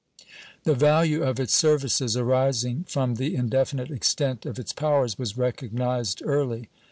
The value of its services, arising from the indefinite extent of its powers, was recognized early.